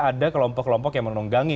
ada kelompok kelompok yang menunggangi